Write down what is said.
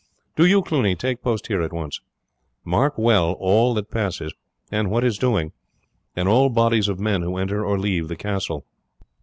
Do you, Cluny, take post here at once. Mark well all that passes, and what is doing, and all bodies of men who enter or leave the castle.